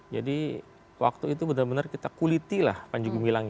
jadi waktu itu benar benar kita kuliti lah panjago milangnya